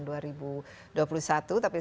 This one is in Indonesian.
tapi sekarang ini